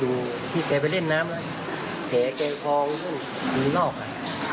ตัวพี่สาวก็มารู้ว่าอาการของเพื่อนน้องสาวอีก๓คน